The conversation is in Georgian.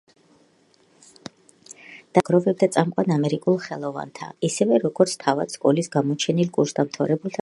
დაფუძნებიდან აკადემია აგროვებდა წამყვან ამერიკელ ხელოვანთა, ისევე როგორც თავად სკოლის გამოჩენილ კურსდამთავრებულთა ნამუშევრებს.